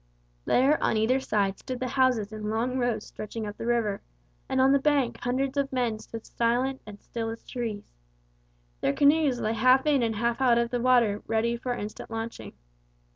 There on either side stood the houses in long rows stretching up the river, and on the banks hundreds of men stood silent and as still as trees. Their canoes lay half in and half out of the water ready for instant launching.